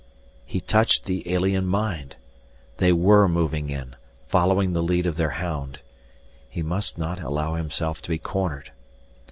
He touched the alien mind! They were moving in, following the lead of their hound. He must not allow himself to be cornered.